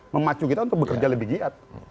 memacu kita untuk bekerja lebih jihad